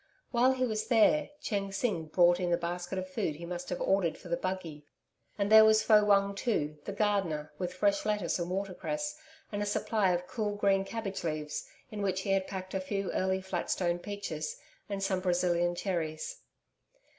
While he was there, Chen Sing brought in the basket of food he must have ordered for the buggy, and there was Fo Wung too, the gardener, with fresh lettuce and water cress, and a supply of cool, green cabbage leaves in which he had packed a few early flat stone peaches, and some Brazilian cherries.